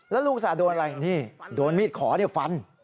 แล้วลุงสระโดนอะไรนี่โดนมีดขอฟัน